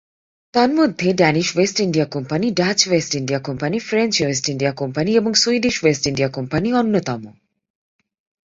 তন্মধ্যে, Danish West India company, Dutch West India company, French West India company এবং Swedish West India company অন্যতম।